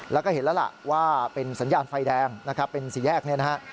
แล้วก็เห็นแล้วว่าเป็นสัญญาณไฟแดงเป็นสีแยกนี้นะครับ